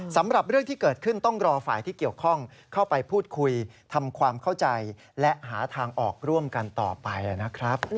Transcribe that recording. สำหรับเรื่องที่เกิดขึ้นต้องรอฝ่ายที่เกี่ยวข้องเข้าไปพูดคุยทำความเข้าใจและหาทางออกร่วมกันต่อไปนะครับ